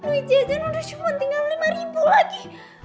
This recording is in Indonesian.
duit jajan udah cuma tinggal lima ribu lagi